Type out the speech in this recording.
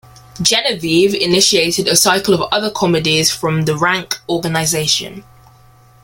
"Genevieve" initiated a cycle of other comedies from the Rank Organisation.